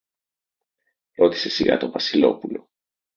ρώτησε σιγά το Βασιλόπουλο